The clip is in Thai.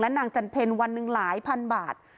นางจันเพลวันหนึ่งหลายพันบาท